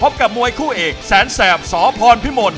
กับมวยคู่เอกแสนแสบสพรพิมล